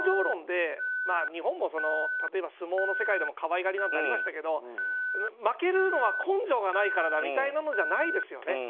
日本も相撲の世界でも可愛がりなんてありましたけど根性論で負けるのは根性がないからだみたいなのじゃないですよね。